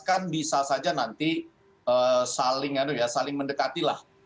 kan bisa saja nanti saling mendekatilah